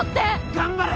頑張れ！